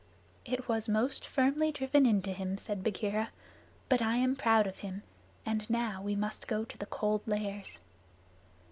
"It was most firmly driven into him," said Bagheera. "But I am proud of him, and now we must go to the Cold Lairs."